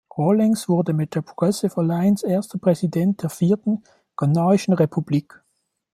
Rawlings wurde mit der Progressive Alliance erster Präsident der vierten ghanaischen Republik.